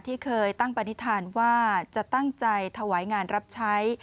ที่เคยตั้งปณิธานว่าจะตั้งใจถวายงานรับใช้